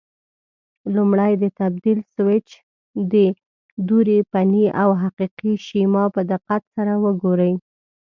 لومړی د تبدیل سویچ د دورې فني او حقیقي شیما په دقت سره وګورئ.